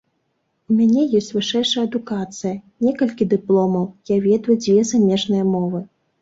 У мяне ёсць вышэйшая адукацыя, некалькі дыпломаў, я ведаю дзве замежныя мовы.